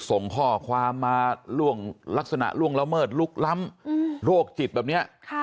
ส่งข้อความมาล่วงลักษณะล่วงละเมิดลุกล้ำโรคจิตแบบนี้